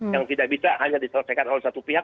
yang tidak bisa hanya diselesaikan oleh satu pihak